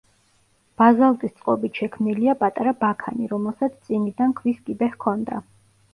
ბაზალტის წყობით შექმნილია პატარა ბაქანი, რომელსაც წინიდან ქვის კიბე ჰქონდა.